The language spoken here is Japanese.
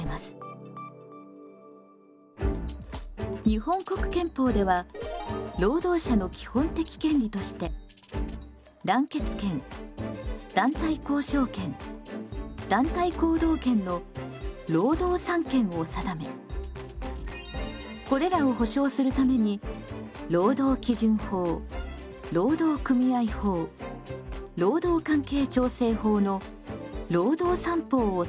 日本国憲法では労働者の基本的権利として団結権団体交渉権団体行動権の労働三権を定めこれらを保障するために労働基準法労働組合法労働関係調整法の労働三法を制定しています。